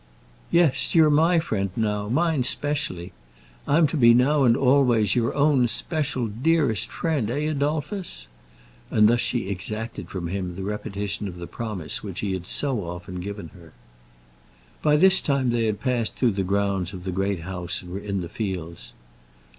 "Yes; you're my friend now, mine specially. I'm to be now and always your own special, dearest friend; eh, Adolphus?" And then she exacted from him the repetition of the promise which he had so often given her. By this time they had passed through the grounds of the Great House and were in the fields.